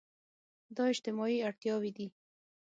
دا اجتماعي اړتياوې دي.